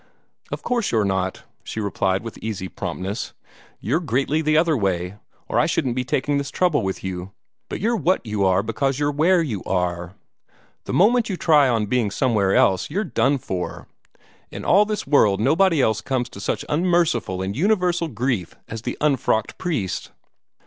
"Of course you're not," she replied with easy promptness; "you're greatly the other way, or I shouldn't be taking this trouble with you. But you're what you are because you're where you are. The moment you try on being somewhere else, you're done for. In all this world nobody else comes to such unmerciful and universal grief as the unfrocked priest."